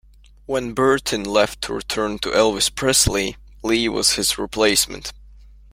When Burton left to return to Elvis Presley, Lee was his replacement.